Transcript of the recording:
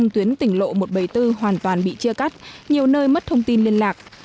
tỉnh lộ một trăm bảy mươi bốn hoàn toàn bị chia cắt nhiều nơi mất thông tin liên lạc